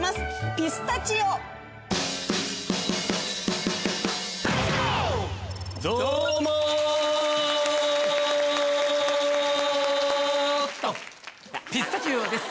ピスタチオです。